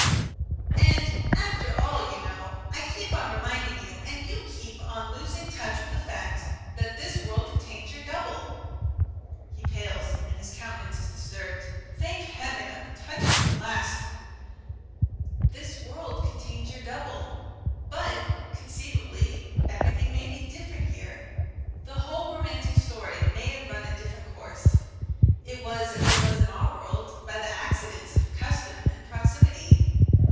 "And, after all, you know I keep on reminding you, and you keep on losing touch with the fact, that this world contains your double." He pales, and his countenance is disturbed. Thank Heaven, I've touched him at last! "This world contains your double. But, conceivably, everything may be different here. The whole romantic story may have run a different course. It was as it was in our world, by the accidents of custom and proximity.